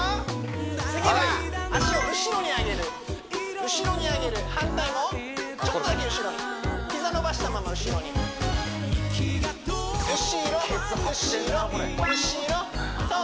次は脚を後ろに上げる後ろに上げる反対もちょっとだけ後ろに膝伸ばしたまま後ろに後ろ後ろ後ろケツ張ってんな